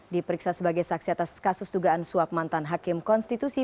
diperiksa sebagai saksi atas kasus dugaan suap mantan hakim konstitusi